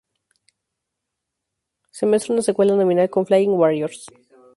Se muestra una secuela nominal con Flying Warriors.